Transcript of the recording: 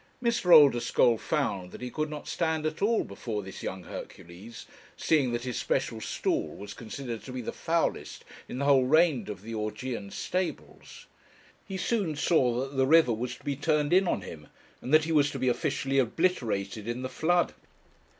Mr. Oldeschole found that he could not stand at all before this young Hercules, seeing that his special stall was considered to be the foulest in the whole range of the Augean stables. He soon saw that the river was to be turned in on him, and that he was to be officially obliterated in the flood.